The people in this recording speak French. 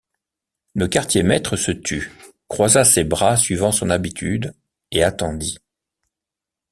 Le quartier-maître se tut, croisa ses bras suivant son habitude, et attendit.